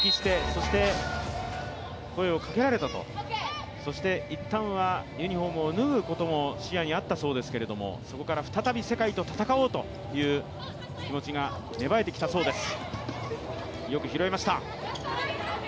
そして一旦はユニフォームを脱ぐことも視野にあったそうですけれどもそこから再び世界と戦おうという気持ちが芽生えてきたそうです。